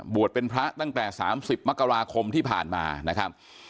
เป็นพระตั้งแต่๓๐มกราคมที่ผ่านมานะครับ